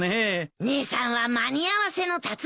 姉さんは間に合わせの達人だからね。